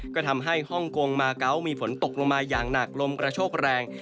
ก็ทำให้ฮ่องกงมาเกาะมีฝนตกลงมาอย่างหนักลมกระโชกแรง